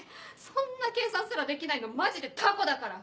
そんな計算すらできないのマジでタコだから！